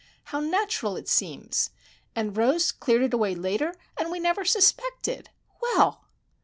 How natural it seems! And Rose cleared it away later, and we never suspected! _Well!